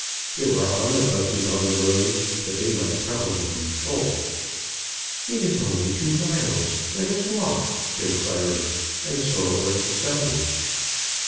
There were omnibuses on the road, but they might probably be full. "It is only two miles, let us walk," said Clary; and so it was decided.